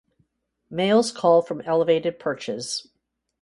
Males call from elevated perches.